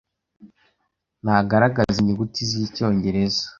ntagaragaza inyuguti zicyongereza